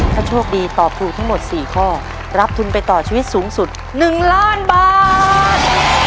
ถ้าโชคดีตอบถูกทั้งหมด๔ข้อรับทุนไปต่อชีวิตสูงสุด๑ล้านบาท